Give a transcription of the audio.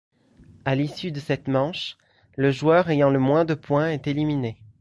À l'issue de cette manche, le joueur ayant le moins de points est éliminé.